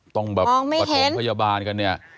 ต้องแบบปฐมพยาบาลกันเนี่ย